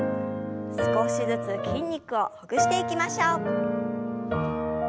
少しずつ筋肉をほぐしていきましょう。